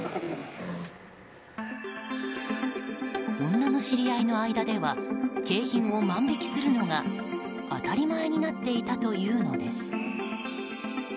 女の知り合いの間では景品を万引きするのが当たり前になっていたというのです。